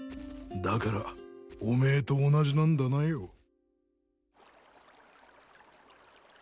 だからおめえと同じなんだなよ。